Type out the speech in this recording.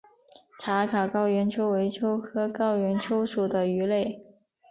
茶卡高原鳅为鳅科高原鳅属的鱼类。